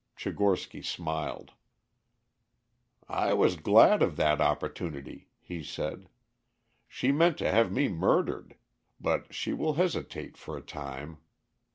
Tchigorsky smiled. "I was glad of that opportunity," he said. "She meant to have me murdered; but she will hesitate for a time.